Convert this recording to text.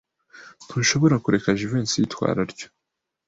Ntushobora kureka Jivency yitwara atyo.